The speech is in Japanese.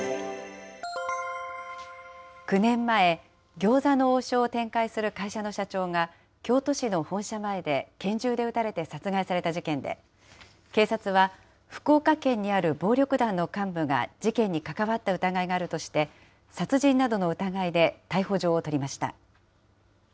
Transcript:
９年前、餃子の王将を展開する会社の社長が、京都市の本社前で拳銃で撃たれて殺害された事件で、警察は、福岡県にある暴力団の幹部が事件に関わった疑いがあるとして、殺人などの疑いで逮捕状を取りました。